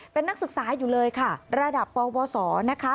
เป็นนักศึกษาอยู่เลยค่ะระดับปวสนะคะ